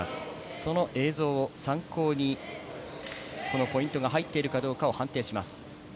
その映像を参考にポイントが入ってるかどうかを判定します。